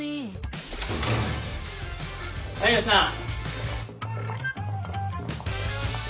・・大陽さん。